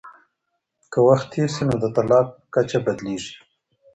که وخت تېر سي نو د طلاق کچه بدلیږي.